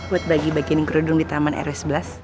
buat bagi bagi ningkru drum di taman rw sebelas